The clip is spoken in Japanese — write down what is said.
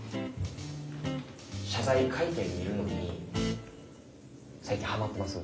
謝罪会見見るのに最近ハマってます。